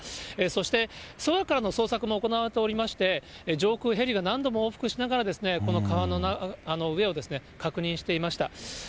そして、空からの捜索も行われておりまして、上空、ヘリが何度も往復しながら、この川の上を確認していました。